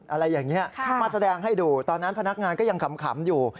อะไรอย่างนี้มาแสดงให้ดูตอนนั้นพนักงานก็ยังขำอยู่